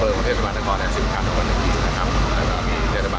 เพราะว่าเมืองนี้จะเป็นที่สุดท้าย